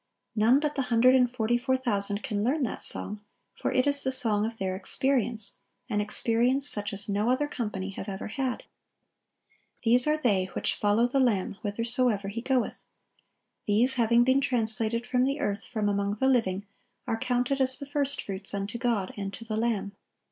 None but the hundred and forty four thousand can learn that song; for it is the song of their experience,—an experience such as no other company have ever had. "These are they which follow the Lamb whithersoever He goeth." These, having been translated from the earth, from among the living, are counted as "the first fruits unto God and to the Lamb."